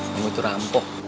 kamu itu rampuh